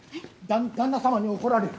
旦那様に怒られる。